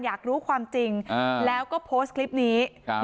อยากรู้ความจริงแล้วก็โพสต์คลิปนี้